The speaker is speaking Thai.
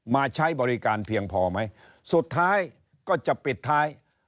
มาใช้บริการเพียงพอไหมสุดท้ายก็จะปิดท้าย